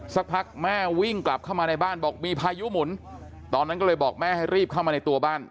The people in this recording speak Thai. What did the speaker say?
สักพักแม่วิ่งกลับเข้ามาในบ้านบอกมีพายุหมุนตอนนั้นก็เลยบอกแม่ให้รีบเข้ามาในตัวบ้าน